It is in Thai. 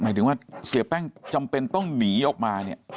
ถึงว่าเสียแป้งจำเป็นต้องหนีออกมาเนี่ย